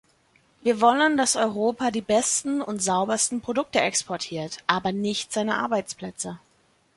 Wir wollen, dass Europa die besten und saubersten Produkte exportiert, aber nicht seine Arbeitsplätze.